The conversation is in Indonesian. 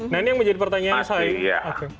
nah ini yang menjadi pertanyaan saya